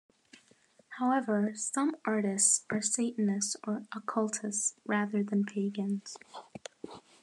However, some artists are Satanists or occultists, rather than pagans.